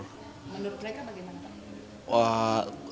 menurut mereka bagaimana pak